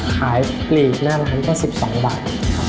ขายปลีกหน้าร้านก็สิบสองบาท